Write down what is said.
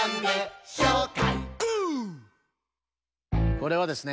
これはですね